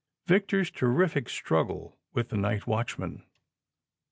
victor's terrific struggle with the night watchman.